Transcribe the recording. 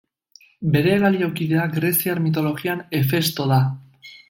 Bere baliokidea greziar mitologian, Hefesto da.